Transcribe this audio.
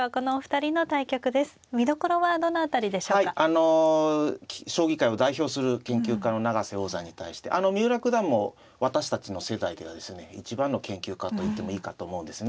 あの将棋界を代表する研究家の永瀬王座に対して三浦九段も私たちの世代ではですね一番の研究家と言ってもいいかと思うんですね。